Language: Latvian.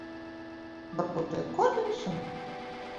Varbūt iekodīsim?